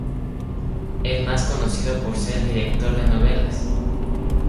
Es más conocido por ser director de novelas.